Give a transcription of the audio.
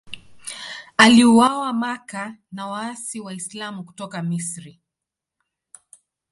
Aliuawa Makka na waasi Waislamu kutoka Misri.